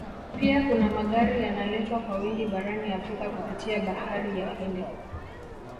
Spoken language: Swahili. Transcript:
Pia kuna Magari yanaletwa kwa wingi barani Afrika kupitia Bahari ya Hindi